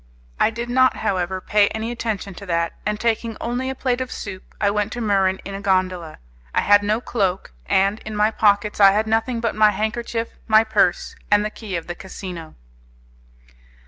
I did not, however, pay any attention to that, and taking only a plate of soup I went to Muran in a gondola. I had no cloak, and in my pockets I had nothing but my handkerchief, my purse, and the key of the casino.